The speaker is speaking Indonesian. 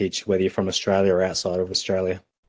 apakah anda dari australia atau di luar australia